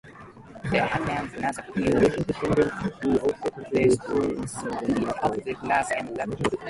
The herdsman must appease the spirit of the grass and leaves.